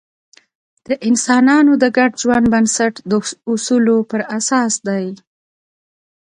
د انسانانو د ګډ ژوند بنسټ د اصولو پر اساس دی.